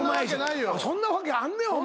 そんなわけあんねんお前。